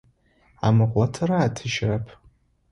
Амыгъотырэ атыжьырэп.